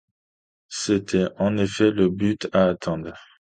C’était en effet le but à atteindre.